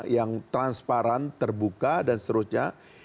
yang transparan terbuka dan seterusnya